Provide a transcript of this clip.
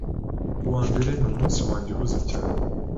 Ku wa mbere, ni umunsi wanjye uhuze cyane.